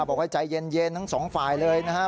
บอกว่าใจเย็นทั้งสองฝ่ายเลยนะครับ